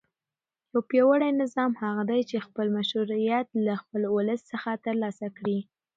یو پیاوړی نظام هغه دی چې خپل مشروعیت له خپل ولس څخه ترلاسه کړي.